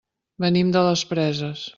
Venim de les Preses.